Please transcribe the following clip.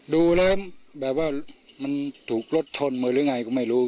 ดูแล้วแบบว่ามันถูกรถชนมือหรือไงก็ไม่รู้